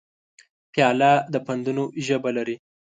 پیاله د پندونو ژبه لري.